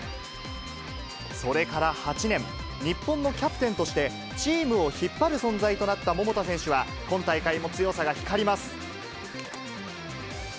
それから８年、日本のキャプテンとして、チームを引っ張る存在となった桃田選手は、今大会も強さが光ります。